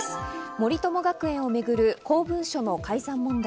森友学園をめぐる公文書の改ざん問題。